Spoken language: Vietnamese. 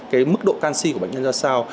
cái mức độ canxi của bệnh nhân ra sao